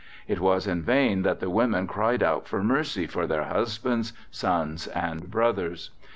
It was in vain that the women cried out for mercy for their husbands, sons, and brothers.